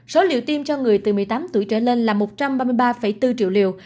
số liệu tiêm cho người từ một mươi tám tuổi trở lên là một trăm ba mươi ba bốn triệu liều